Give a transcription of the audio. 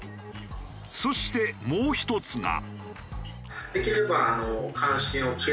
そしてもう１つが。